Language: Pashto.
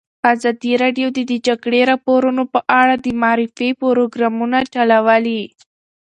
ازادي راډیو د د جګړې راپورونه په اړه د معارفې پروګرامونه چلولي.